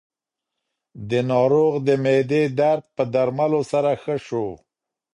د ناروغ د معدې درد په درملو سره ښه شو.